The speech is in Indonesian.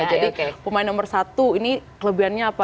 jadi pemain nomor satu ini kelebihannya apa